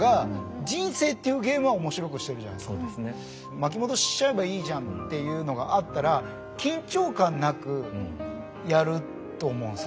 巻き戻ししちゃえばいいじゃんっていうのがあったら緊張感なくやると思うんすよ。